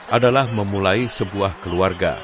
adalah memulai sebuah keluarga